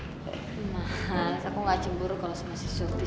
emang mas aku gak cemburu kalo sama si surti